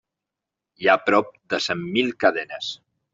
Hi ha prop de cent mil cadenes.